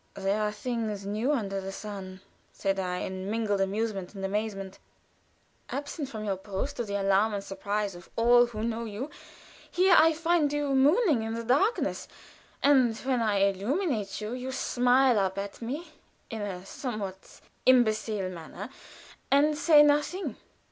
"There are things new under the sun," said I, in mingled amusement and amaze. "Absent from your post, to the alarm and surprise of all who know you, here I find you mooning in the darkness, and when I illuminate you, you smile up at me in a somewhat imbecile manner, and say nothing.